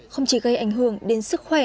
không chỉ gây ảnh hưởng đến sức khỏe